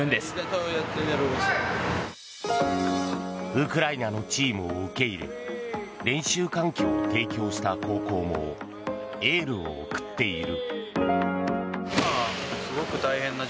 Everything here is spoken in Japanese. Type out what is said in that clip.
ウクライナのチームを受け入れ練習環境を提供した高校もエールを送っている。